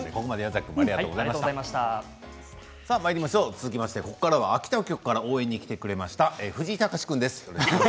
続いて、ここからは秋田当局から応援に来てくれました藤井隆君です。